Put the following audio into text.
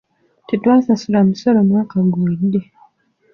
Tetwasasula musolo omwaka oguwedde.